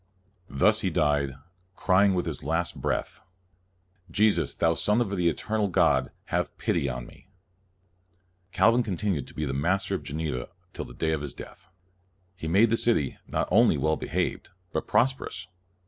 Thus he died, crying with his last breath, " Jesus, n8 CALVIN thou Son of the eternal God, have pity on me !' Calvin continued to be the master of Geneva till the day of his death. He made the city, not only well behaved, but prosperous.